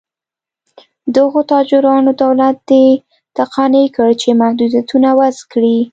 دغو تاجرانو دولت دې ته قانع کړ چې محدودیتونه وضع کړي.